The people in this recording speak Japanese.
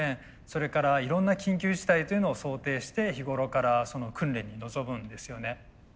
それからいろんな緊急事態というのを想定して日頃から訓練に臨むんですよね。